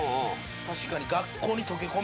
確かに。